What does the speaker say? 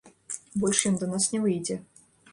Больш ён да нас не выйдзе.